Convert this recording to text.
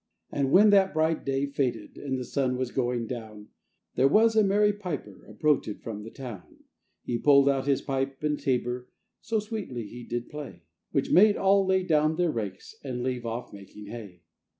And when that bright day faded, And the sun was going down, There was a merry piper Approachèd from the town: He pulled out his pipe and tabor, So sweetly he did play, Which made all lay down their rakes, And leave off making hay.